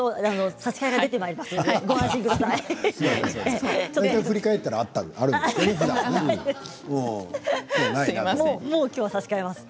差し替えが出てまいりますよ。